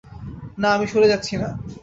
না আমি সরে যাচ্ছি না।